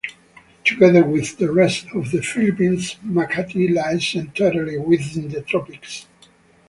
Together with the rest of the Philippines, Makati lies entirely within the tropics.